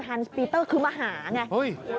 ฮัลด์พีเพอร์เครื่องมาหาแน่งัน